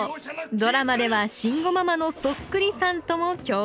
ドラマでは慎吾ママのそっくりさんとも共演。